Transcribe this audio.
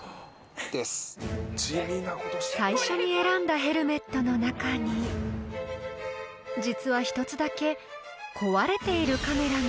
［最初に選んだヘルメットの中に実は１つだけ壊れているカメラが］